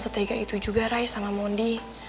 ketika itu juga rai sama mondi